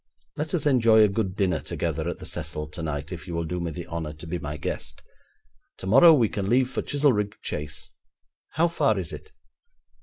Let us enjoy a good dinner together at the Cecil tonight, if you will do me the honour to be my guest. Tomorrow we can leave for Chizelrigg Chase. How far is it?'